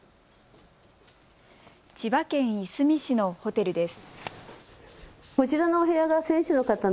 千葉県いすみ市のホテルです。